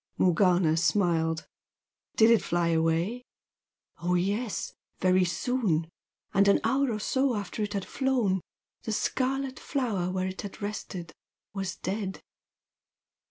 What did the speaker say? Morgana smiled. "Did it fly away?" "Oh, yes. Very soon! And an hour or so after it had flown, the scarlet flower where it had rested was dead."